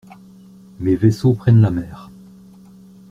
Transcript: Mes vaisseaux prennent la mer.